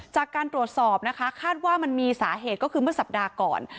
จากการตรวจสอบนะคะคาดว่ามันมีสาเหตุก็คือเมื่อสัปดาห์ก่อน